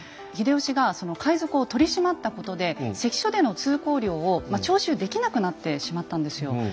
秀吉が海賊を取り締まったことで関所での通行料を徴収できなくなってしまったんですよ。